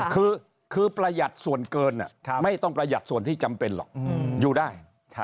คือประหยัดส่วนเกินไม่ต้องประหยัดส่วนที่จำเป็นหรอกอยู่ได้